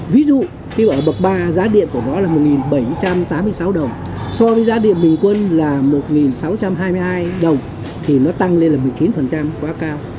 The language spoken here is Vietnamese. ví dụ như ở bậc ba giá điện của nó là một bảy trăm tám mươi sáu đồng so với giá điện bình quân là một sáu trăm hai mươi hai đồng thì nó tăng lên là một mươi chín quá cao